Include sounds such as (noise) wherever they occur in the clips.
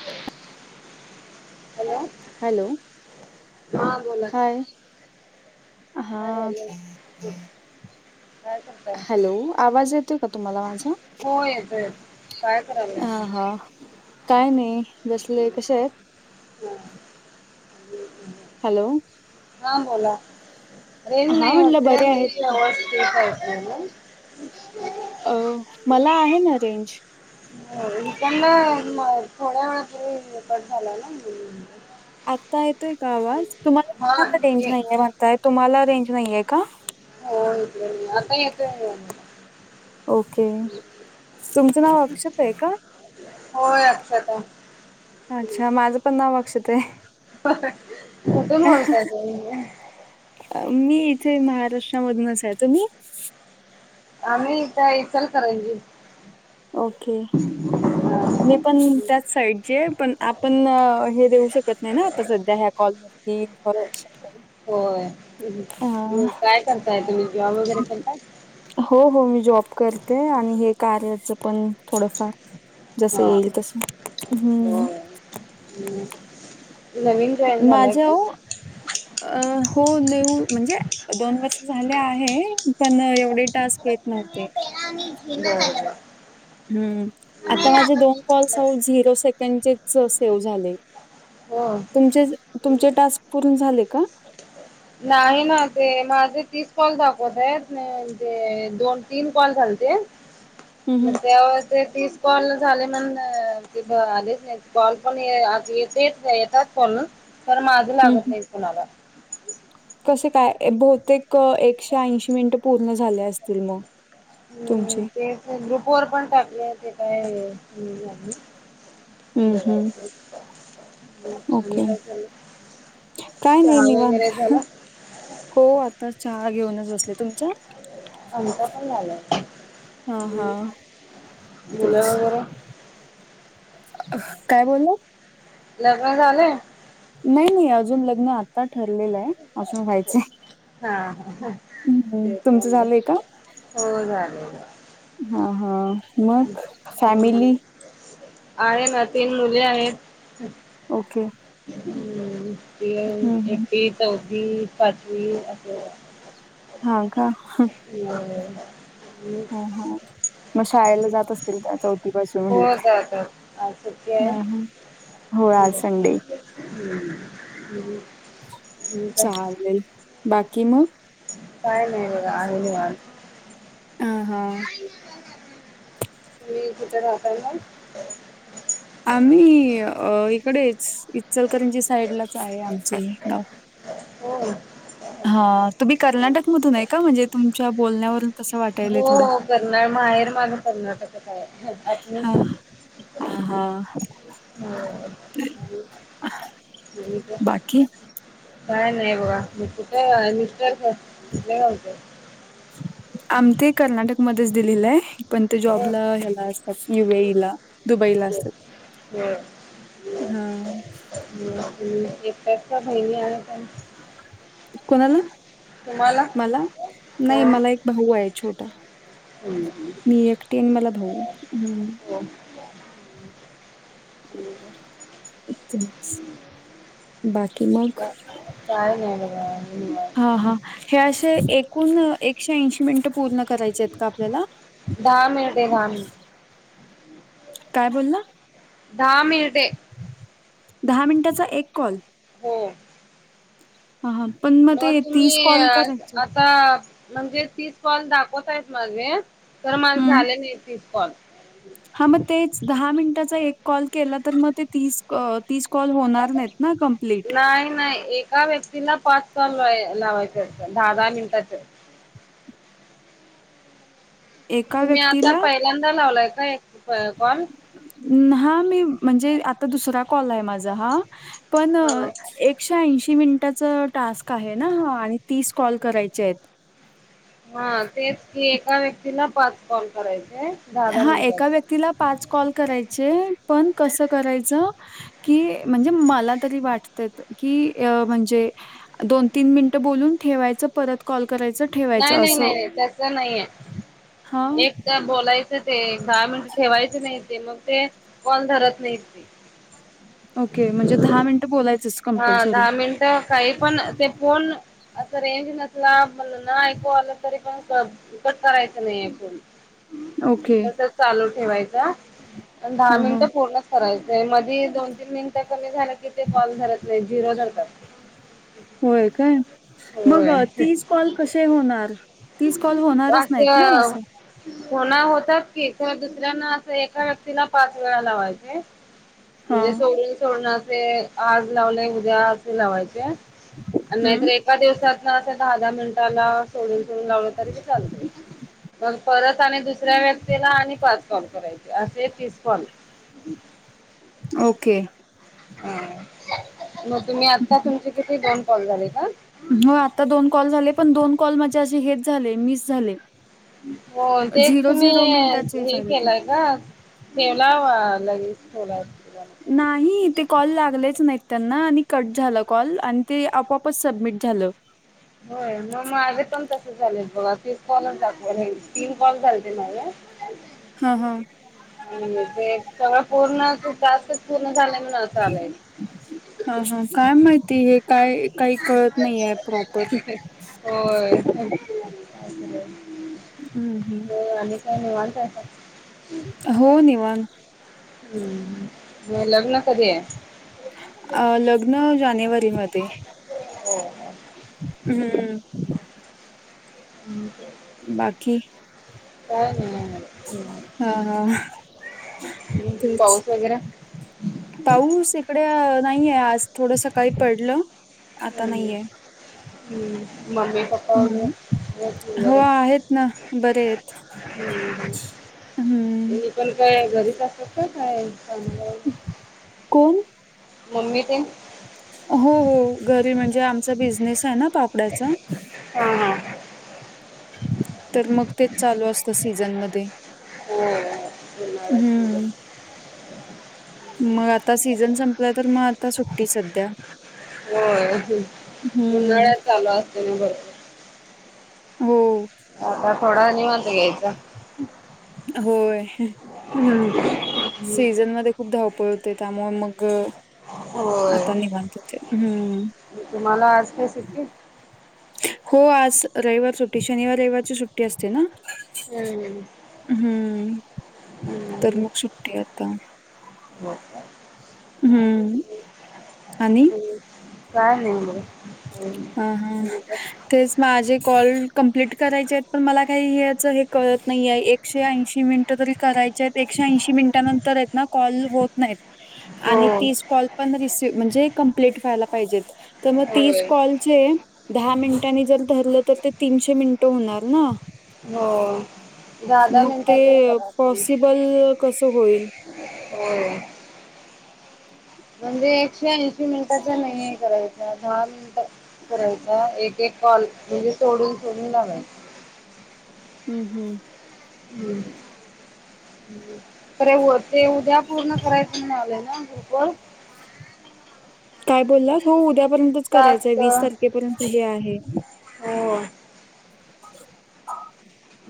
(inaudible) Hello hello हा बोला hi हा काय हॅलो काय करताय हॅलो आवाज येतोय का तुम्हाला माझा हो येतोय काय करायला आ हां काय नाही बसले कशे येत हा (unintelligible) हॅलो. हा बोला रेज हा नाही म्हणलं वाटत बरे आहेत. त. ह्. अ मला आहे ना रेंज. इकना थोड्या वेळ तरी रकट झाला ना मु. आत्ता येतोय का आवाज तुम्हाला कुणाला रेंज ये नाहीये म्हणताय तुम्हाला रेंज नाहीे का. बोल बोल आता येत का? ओके, तुमचं नाव अक्षत आहे का? होय अक्षता अच्छा माझं पण नाव अक्षेत आहे. कुठून बोलताय तुम्ही. मी इथे महाराष्ट्रामधूनच आहे, तुम्ही. आम्ही, इथं इचलकरंजी. ओके. मी पण त्याच साईडची आहे. पण आपण हे देऊ शकत नाही ना आता सध्या ह्या कॉल त हा. (inaudible) होय काय करताय तुम्ही जॉब वगैरे करताय. हो हो मी जॉब करते आणि हे कार्याचं पण थोडंफार. जसं हा येईल तस हम्म. (inaudible) हम्म. माझ्याऊ अ हो नेऊ म्हणजे दोन वर्ष झाले आहे पण एवढे टास्क येत नव्हते. (inaudible) बर बर. हम्म आता माझे दोन कॉल्स झिरो सेकंडचेच सेव्ह झाले. हो. तुमचेच-तुमचे टास्क पूर्ण झाले का. नाही ना ते माझे तीस कॉल दाखवत आहेत (unintelligible) ते दोन तीन कॉल झालते. (unintelligible) म (unintelligible) ते तीस कॉल झाले (unintelligible) म्हण-अं ते-भ आलेच नाही कॉल पण (unintelligible) आ येतच नाही येतात. (unintelligible) ण तर माझं हम्म. लागत नाही कुणाला. कसे काय बहुतेक एकशे ऐंशी मिनिटं पूर्ण झाले असतील मग. हम्म तुमची ते ग्रुप वर पण टाकले ते (unintelligible) काय हम्म हम्म बघायचं (inaudible) आणी-आणी ओके काय चालू. काय न्हइ निवांता हो आताच चहा घेऊनच बसले तुमच. (inaudible) आमता पण झालाय हा हा (inaudible) तेच मुलं वगैरे. (unintelligible) काय बोललं. लग्न झालंय. नई नई अजून लग्न आता ठरलेलंय अजून व्हायच. हा ते हो ना. (inaudible) (unintelligible) झा. हा हा मख फॅमिली. आहे ना तीन मुली आहेत. ओके हम्म हम्म (unintelligible) हम्म एकवी चौथी पाचवी अस. हा का. (unintelligible) (inaudible) हम् हा हा. मग शाळेला जात असतील त्या चौथीपासून हो म्हणलं तर- जातात आज सुट्टी (unintelligible) आहे हम ह. होय आज संडे. हम्. (unintelligible) चालेल बाकी म काय नई बगा आहे निवांत- हा हा तुमी कूठे राहताय मग आम्ही अ इकडेच इचलकरंजी साईडलाच आहे आमच हे गाव होय. हा तुम्ही कर्नाटकमधून आहे का म्हणजे तुमच्या बोलण्यावरून तसं वाटायलय हो थोडं. हो कर्नाळ माहेर माझ कर्नाटकच हाय आतनी हा हा हा हा म अजून काय बाकी काय नई बगा मी कुठ अ मिस्टर कुटल्या गावच आमते कर्नाटकमध्येच दिलेलय. पण ते हो जॉबला हेला असतात यु ए ईला दुबईला असतात. हा हा म बाकी इकडच्या बहिणी आहे काय कोणाला मला नई मला एक भाऊय छोटा हम्म हम्म तीन मला भाऊ हूं हो. आणि काय बाकी मग का- काय नाय बघा हा हा निवांत हे असे एकूण एकशे ऐंशी मिनिटं पूर्ण करायचे आहेत का आपल्याला दहा मिनिटे दहा मिनिटे काय बोल ला दहा मिनिटे दहा मिनिटाचा एक कॉल हो. हा हा पण मग म ते तीस तुम्ही अ कॉल करायचे आता म्हणजे तीस कॉल दाखवतायत माझे खरं माझ हम्म झाले नाय तीस कॉल हा मग तेच दहा मिनिटाचा एक कॉल केला तर मग ते तीस अ तीस कॉल होणार नाहीत ना कम्प्लीट नाही नाही एका व्यक् तिला पाच काल लाव लावायचे असत दहा दहा मिनिटाच एका तुम्ही आता व्यक्तीला पहिल्यांदा लावलाय का एक प कॉल हा मी म्हणजे आता दुसरा कॉल आहे माझा हा पण हा एक एक्से ऐंशी मिनिटाच टास्क आहे ना आणि तीस कॉल करायचेयेत हा तेच की एका व्यक्तीला पाच कॉल करायचे दहा दहा हा एका मिनिटाचे. व्यक्तीला पाच कॉल करायचे पण कसं करायचं की म्हणजे मला तरी वाटत की अ म्हणजे दोन तीन मिनिटं बोलून ठेवायचं परत कॉल करायचं नाय ठेवायचं नाय असं. नाय नाय तस हां, नाहीये एक काम बोलायचं ते दहा मिनिट ठेवायचं नाही ते मग ते कॉल धरत नाहीत ते ओके म्हणजे दहा मिनट बोलायचंच हा कंपल्सरी. दहा मिनट काही पण ते फोन असं रेंज नसला म्ह न ऐकू आलं तरी पण कर कट करायचं नाहीये फोनं ओके चालू ठेवायचा दहा हां, हां. मिनिट पूर्ण करायचंय मधी दोन तीन मिनिटं कमी झालं की ते कॉल धरत नाही झिरो धरतात, होय काय. मग होय तीच कॉल कसे होणार तीच कॉल होणारच नाहीत ना असं. कोणा होतात की तर दुसऱ्यांना असं एका व्यक्तीला पाच वेळा लावायचे. म्हणजे हां. सोडून सोडणाचे आज लावले उद्या असे लावायचे. आम्रे. हं. एका दिवसात ना त्या दहा दहा मिनिटाला सोडून सोडून लावलं तरी ते चालत. मग परत आणि दुसऱ्या व्यक्तीला आणि पाच कॉल करायचे असे तीस कॉल. हम्. ओके. हा मग तुम्ही आता तुमचे किती दोन कॉल झाले का. हो आता दोन कॉल झाले पण दोन कॉल माझे असे हेच झाले मिस झाले. हो ते तुम्ही मिनिटाचे हे झाले ते. केलंय का. ठेवलावा लगेच ठेवला. नाही ते कॉल लागलेच नाहीत त्यांना आणि कट झालं कॉल आणि ते आपोपच सबमिट झालं. होय मग मग माझे पण तस झाले बघा तीस कॉलच दाख तीन कॉल झालेते नाही. हा हा. आणि ते सगळं पूर्णू तासच पूर्ण झालाय म्हण असं आलंय. ह हा काय माहिती हे काय काही कळत नाही आहे प्रॉपर. हो. हम्म हम्म. धन्यवाद सा. हो निवान. हम्म लग्न कधी आहे. अ लग्न जानेवारीमध्ये. हो. हम्म. ह. बाकी. काय नाही हा हा तेच पाऊस वगैरे. पाऊस इकडे नाहीये आज थोडं सकाळी पडलं. आता हम्म नाहीये. हम्म मम्मी प्पा. हम् हो आहेत ना बरे आहेत. हम्म ते पण काय घरीच असत का काय चांगलं. कोण? मम्मी ट. हो हो घरी म्हणजे आमचा बिझनेस आहे ना पापड्याचा. ह हा. तर मग तेच चालू असत. सीझन म हो उन्हाळ्यात होय हम्म. मग आता सीझन संपला तर मग आता सुट्टी सध्या. होय हम्म उन्हाळ्यात चालू असते ना बर. हो. आता थोडा नि वांद ग इचा. होय. हम्. सीझन मध्ये खूप धावपळ होते त्यामुळे मग. होय. आतानीवतते हम्म. तुम्हाला आज काय सुटी. हो आज रविवार सुट्टी शनिवार रविवारची सुट्टी असते ना. हम्म. हम्म तर मग सुट्टी आता. म (inaudible) ह् आणि काय नाही. ह हा तेच माझे कॉल कंप्लीट करायचे आहेत पण मला काही हे कळत नाही आहे. एकशे ऐंशी मिनिटं तरी करायचे आहेत एकशे ऐंशी मिनिटानंतर आहेत ना कॉल होत नाहीत. आणि हो. ती कॉल पण रिसीव म्हणजे कप्लेट व्हायला पाहिजेत तर मग ॉल दहा मिनिटांनी जर धरलं तर ते तीनशे मिनिट होणार ना, हो. दहा दहा मग ते मिनिटाचेच करा पॉसिबल कस होईल? हो म्हणजे एकशे ऐंशी मिनिटाच्या नाहीे करायेत दहा मिनिट करायचा एक एक कॉल म्हणजे सोडून सोडून लावा. हम्म हम्म हम् तरे ते उद्या पूर्ण करायच ना आला ना ग्रुप वर काय बोललास हो उद्यापर्यंतच करायचंय टास्क विस तारखेपर्यंत हो.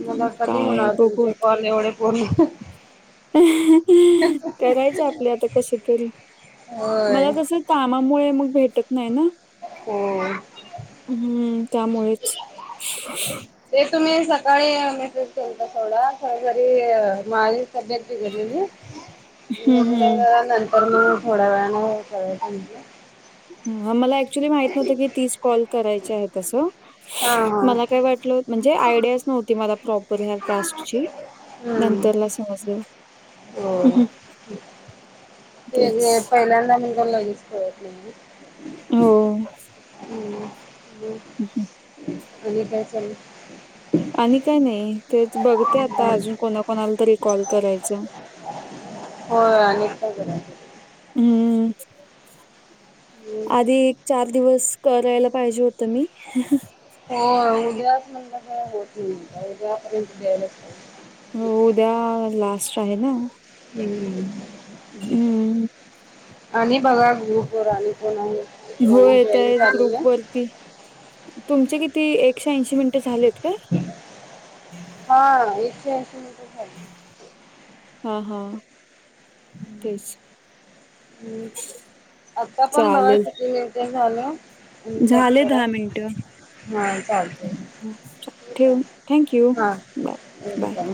मला कधी काय होणार बघू तुमचे आता कॉल एवढ पूर्ण करायचे आपले आता कसे तरी होय. मला कसं कामामुळे मग भेटत नाही ना, होय. हम्म त्यामुळेच ते तुम्ही सकाळी मेसेज केलता सवडा ससरी मा तब्येत बिघडलेली. तर हम्म मग हम्म थोड्या वेळाने हे कर ह आम्हाला अक्चुली माहित नव्हतं की तीस कॉल करायची आहे तसं हा हा मला काय वाटलं. म्हणजे आयडियाच नव्हती मला प्रॉपर ह्या टास्कची हम्म नंतरला समजलं हो हं, हं. ते तेच. पहिल्यांदा म का लगेच ह हो हम्म ब अच्क (inaudible) आणि काय चालला. आणि काय नाही तेच बघते आता अजून कोणाकोणाला तरी कॉल करायचं. होय आणी काय करायचा. हम्म आधी चार दिवस करायला पाहिजे होतं मी हो उद्याच म्हणंतर होत नाही का उद्यापर्यंत द्यायलाच हो उद्या लास्ट आहे ना हम्म हं. आणि बघा म प राणी हो, पणाजॉई झा येतायत आहे (inaudible) ग्रुपवरती. तुमचे किती एकशे ऐंशी मिनट झालेत का? हा एकशे ऐशी मिनिट झाले. हा हा तेच हम्म आता पण बाबा चालेल. किती हे ते झालं. झाले दहा मिनट हा चालतंय ठीक ठेव आहे थँक यू हा बाय बाय वेलकम.